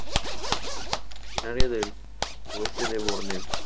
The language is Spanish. Originaria del oeste de Borneo.